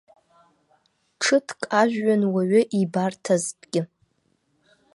Ҽыҭк ажәҩан уаҩы ибарҭазҭгьы!